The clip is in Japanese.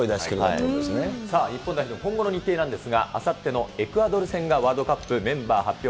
さあ、日本代表、今後の日程なんですが、あさってのエクアドル戦がワールドカップメンバー発表